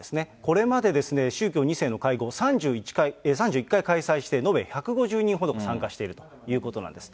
これまで宗教２世の会合、３１回開催して、延べ１５０人ほど参加しているということなんです。